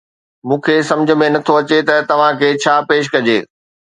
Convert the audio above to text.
مون کي سمجهه ۾ نه ٿو اچي ته توهان کي ڇا پيش ڪجي